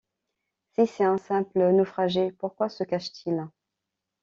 Si c’est un simple naufragé, pourquoi se cache-t-il?